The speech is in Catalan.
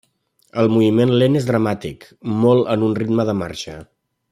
El moviment lent és dramàtic, molt en un ritme de marxa.